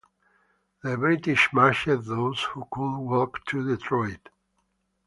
The British marched those who could walk to Detroit.